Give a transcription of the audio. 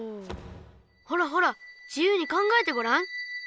ほらほら自由に考えてごらん。